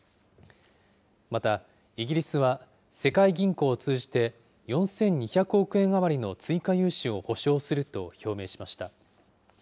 また、イギリスは世界銀行を通じて、４２００億円余りの追加融資を保証すると表明しました。